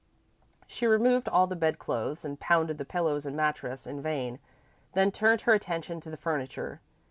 She removed all the bedclothes and pounded the pillows and mattress in vain, then turned her attention to the furniture.